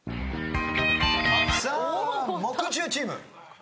さあ木１０チーム。